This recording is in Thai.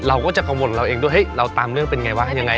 เราก็จะกังวลเราเองด้วยเฮ้ยเราตามเรื่องเป็นไงวะยังไง